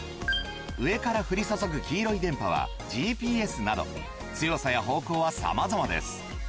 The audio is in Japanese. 上から降り注ぐ黄色い電波はＧＰＳなど強さや方向はさまざまです。